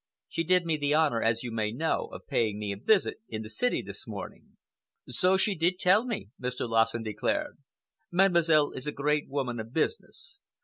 She did me the honor, as you may know, of paying me a visit in the city this morning." "So she did tell me," Mr. Lassen declared. "Mademoiselle is a great woman of business.